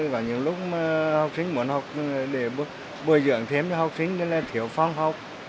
vào những lúc học sinh muốn học để bồi dưỡng thêm cho học sinh thì thiếu phòng học